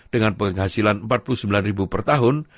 dengan penghasilan empat puluh sembilan per tahun